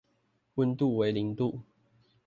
溫度為零度